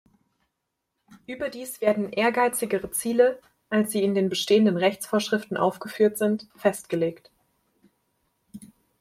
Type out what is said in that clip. Überdies werden ehrgeizigere Ziele, als sie in den bestehenden Rechtsvorschriften aufgeführt sind, festgelegt.